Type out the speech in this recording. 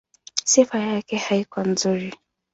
Sifa yake haikuwa nzuri.